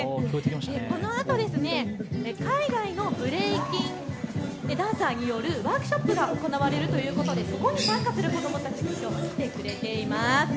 このあと海外のブレイキンダンサーによるワークショップが行われるということでそこに参加する子どもたちがきょう来てくれています。